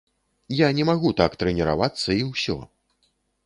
Я не магу так трэніравацца і ўсё.